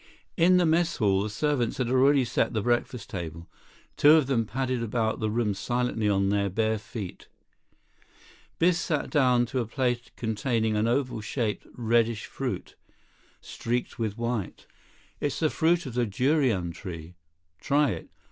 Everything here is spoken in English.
In the mess hall, the servants had already set the breakfast table. Two of them padded about the room silently on their bare feet. Biff sat down to a plate containing an oval shaped, reddish fruit, streaked with white. "It's the fruit of the durian tree. Try it.